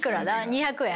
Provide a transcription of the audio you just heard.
２００円？